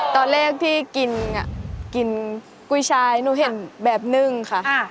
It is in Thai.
ตอนแรกพี่กินกุยชายนูเห็นแบบนึงค่ะ